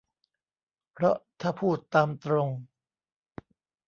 เพราะถ้าพูดตามตรง